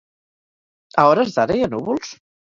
A hores d'ara, hi ha núvols?